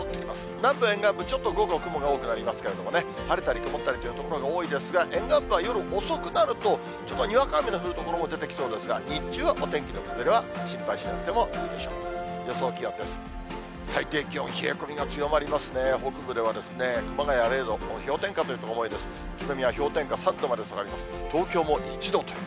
南部、沿岸部、ちょっと午後、雲が多くなりますけどもね、晴れたり曇ったりという所が多いですが、沿岸部は夜遅くなると、ちょっとにわか雨の降る所も出てきそうですが、日中はお天気の崩れは心配しなくてもいいでしょう。